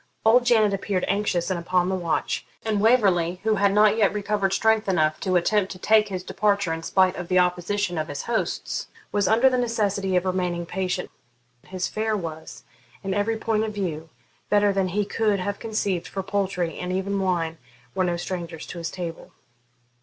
Old Janet appeared anxious and upon the watch; and Waverley, who had not yet recovered strength enough to attempt to take his departure in spite of the opposition of his hosts, was under the necessity of remaining patient. His fare was, in every point of view, better than he could have conceived, for poultry, and even wine, were no strangers to his table.